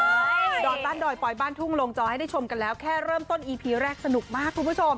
ดอลตันดอยปลอยบ้านทุ่งลงจอให้ได้ชมกันแล้วแค่เริ่มต้นอีพีแรกสนุกมากคุณผู้ชม